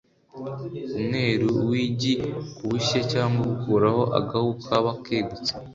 umweru w’igi ku bushye cyangwa gukuraho agahu kaba kegutse